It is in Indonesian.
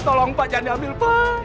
tolong pak jangan diambil pak